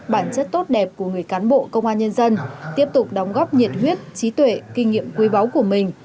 bản chất tốt đẹp của người cán bộ công an nhân dân tiếp tục đóng góp nhiệt huyết trí tuệ kinh nghiệm quý báu của mình